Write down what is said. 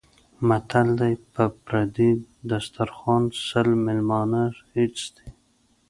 متل دی: په پردي دسترخوان سل مېلمانه هېڅ دي.